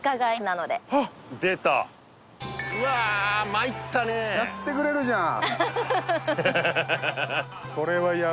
参ったねえやってくれるじゃん